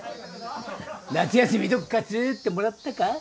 夏休みどっか連れてってもらったか？